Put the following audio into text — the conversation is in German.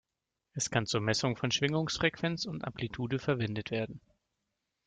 Es kann zur Messung von Schwingungsfrequenz und -amplitude verwendet werden.